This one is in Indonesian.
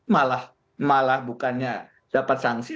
malah malah bukannya dapat sanksi